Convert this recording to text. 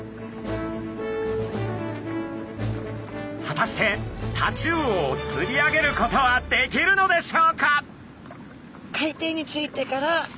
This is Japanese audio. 果たしてタチウオを釣り上げることはできるのでしょうか？